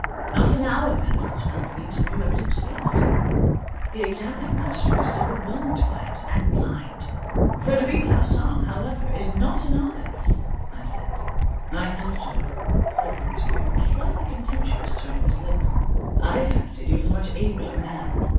Not an hour passes without bringing some new evidence against him. The examining magistrate is overwhelmed by it and blind." "Frederic Larsan, however, is not a novice," I said. "I thought so," said Rouletabille, with a slightly contemptuous turn of his lips, "I fancied he was a much abler man.